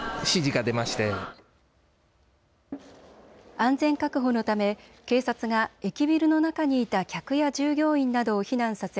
安全確保のため警察が駅ビルの中にいた客や従業員などを避難させ